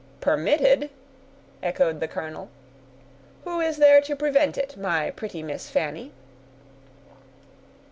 "Permitted!" echoed the colonel. "Who is there to prevent it, my pretty Miss Fanny?"